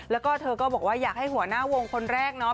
แล้วก็เธอก็บอกว่าอยากให้หัวหน้าวงคนแรกเนาะ